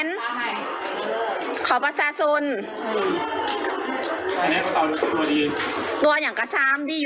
อ๋อเจ้าสีสุข่าวของสิ้นพอได้ด้วย